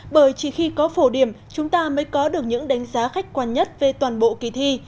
bởi chỉ khi có phổ điểm chúng ta mới có được những đánh giá khách quan nhất về toàn bộ kỳ thi